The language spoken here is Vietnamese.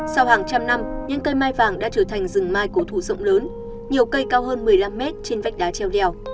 sau hàng trăm năm những cây mai vàng đã trở thành rừng mai cổ thủ rộng lớn nhiều cây cao hơn một mươi năm mét trên vách đá treo leo